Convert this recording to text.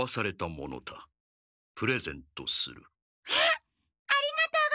ありがとうございます！